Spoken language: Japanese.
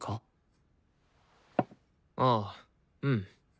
ああうん。